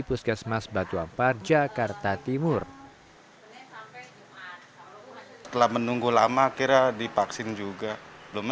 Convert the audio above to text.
puskesmas batuampar jakarta timur telah menunggu lama akhirnya divaksin juga belum